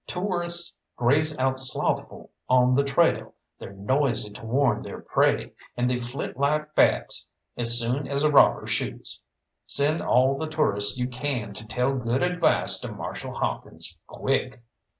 Toorists graze out slothful on the trail, they're noisy to warn their prey, and they flit like bats as soon as a robber shoots. Send all the toorists you can to tell good advice to Marshal Hawkins quick.